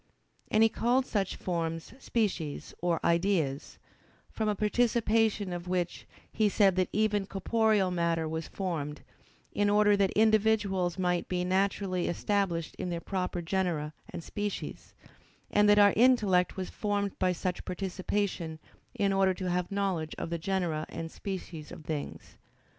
And he called such forms "species or ideas"; from a participation of which, he said that even corporeal matter was formed, in order that individuals might be naturally established in their proper genera and species: and that our intellect was formed by such participation in order to have knowledge of the genera and species of things.